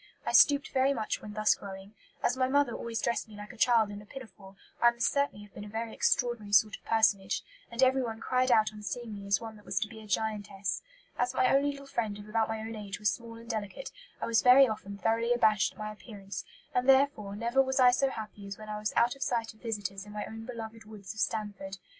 I stooped very much when thus growing. As my mother always dressed me like a child in a pinafore, I must certainly have been a very extraordinary sort of personage, and everyone cried out on seeing me as one that was to be a giantess. As my only little friend of about my own age was small and delicate, I was very often thoroughly abashed at my appearance; and therefore never was I so happy as when I was out of sight of visitors in my own beloved woods of Stanford.